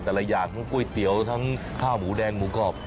แต่ละอย่างทั้งก๋วยเตี๋ยวทั้งข้าวหมูแดงหมูกรอบ